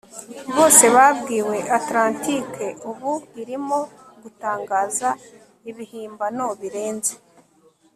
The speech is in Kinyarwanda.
Bose babwiwe Atlantike ubu irimo gutangaza ibihimbano birenze